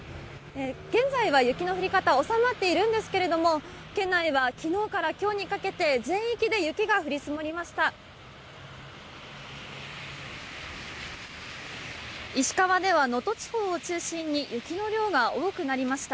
現在は雪の降り方、収まっているんですけれども、県内では、きのうからきょうにかけて、全域で雪が降り積もりました。